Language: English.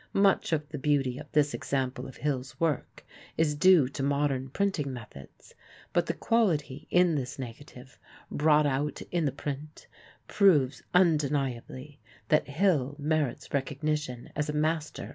Much of the beauty of this example of Hill's work is due to modern printing methods, but the quality in this negative, brought out in the print, proves undeniably that Hill merits recognition as a master of portraiture.